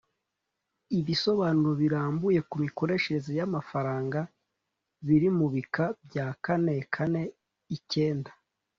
ibisobanuro birambuye ku mikoreshereze y'amafaranga biri mu bika bya kane kane icyenda